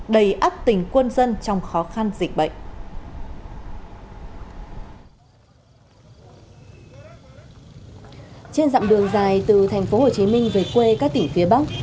để đảm bảo an toàn cho người dân sẽ mãi là những tuyến đường